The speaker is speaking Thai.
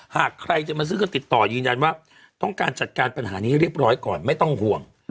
หากใครจะมาซื้อก็ติดต่อยืนยันว่าต้องการจัดการปัญหานี้ให้เรียบร้อยก่อนไม่ต้องห่วง